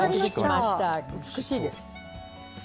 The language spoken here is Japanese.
美しいです。